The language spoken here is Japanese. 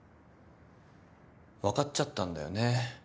分かっちゃったんだよね